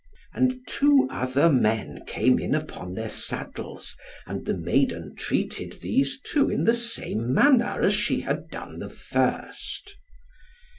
And two other men came in upon their saddles, and the maiden treated these two in the same manner as she had done the first.